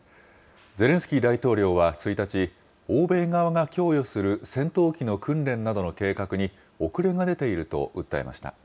ゼレンスキー大統領は１日、欧米側が供与する戦闘機の訓練などの計画に、遅れが出ていると訴えました。